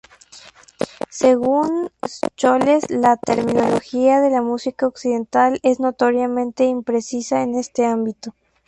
Según Scholes la terminología de la música occidental es notoriamente imprecisa en este ámbito.